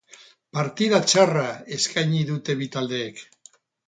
Partida txarra eskaini dute bi taldeek.